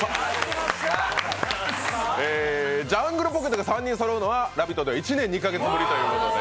ジャングルポケットが３人そろうのは、１年３カ月ぶりということで。